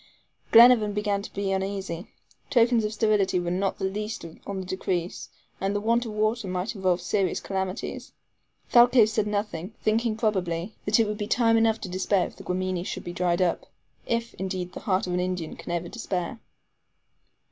Glenarvan began to be uneasy. Tokens of sterility were not the least on the decrease, and the want of water might involve serious calamities. Thalcave said nothing, thinking probably, that it would be time enough to despair if the Guamini should be dried up if, indeed, the heart of an Indian can ever despair.